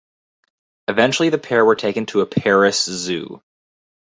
Eventually the pair were taken to a Paris Zoo.